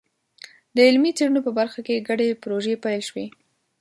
د علمي څېړنو په برخه کې ګډې پروژې پیل شوي.